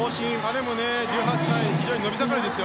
彼も１８歳で非常に伸び盛りです。